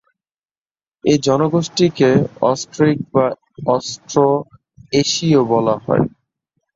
এ জনগোষ্ঠীকে অস্ট্রিক বা অস্ট্রো-এশীয়ও বলা হয়।